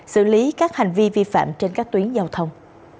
xử lý các hành vi vi phạm trên các tuyến giao thông